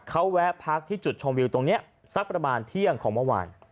เขาแวะพักที่จุดชมวิวตรงนี้สักประมาณเที่ยงของเมื่อวาน